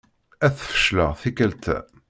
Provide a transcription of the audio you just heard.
Ad tfecleḍ tikkelt-a.